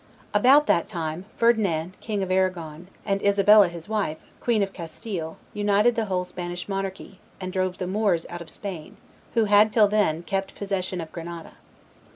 About that time, Ferdinand King of Aragon, and Isabella his wife, Queen of Castile, united the whole Spanish monarchy, and drove the Moors out of Spain, who had till then kept position of Granada.